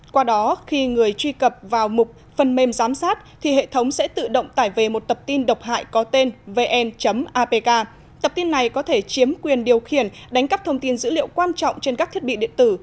qua đó khi người truy cập vào mục phần mềm giám sát thì hệ thống sẽ tự động tải về một tập tin độc hại có tên vn apk tập tin này có thể chiếm quyền điều khiển đánh cắp thông tin dữ liệu quan trọng trên các thiết bị điện tử